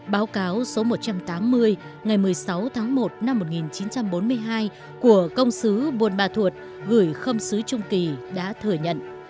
báo cáo số một trăm tám mươi ngày một mươi sáu tháng một năm một nghìn chín trăm bốn mươi hai của công xứ buôn ma thuột gửi khâm sứ trung kỳ đã thừa nhận